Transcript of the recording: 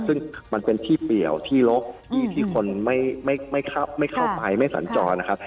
ซึ่งมันเป็นที่เปลี่ยวที่ลกที่คนไม่เข้าไปไม่สัญจรนะครับ